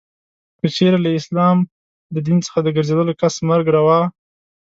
که چیري له اسلام د دین څخه د ګرځېدلې کس مرګ روا.